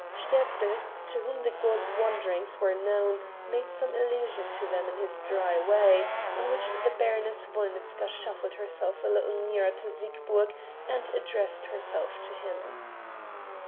Sterzl, to whom the god's wanderings were known, made some allusion to them in his dry way; on which the Baroness Wolnitzka shuffled herself a little nearer to Siegburg and addressed herself to him.